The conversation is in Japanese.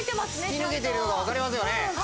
突き抜けてるのがわかりますよね？